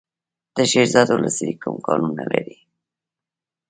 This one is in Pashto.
د شیرزاد ولسوالۍ کوم کانونه لري؟